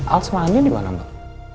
alsa mandin dimana mbak